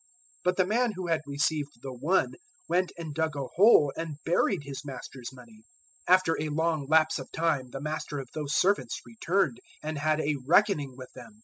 025:018 But the man who had received the one went and dug a hole and buried his master's money. 025:019 "After a long lapse of time the master of those servants returned, and had a reckoning with them.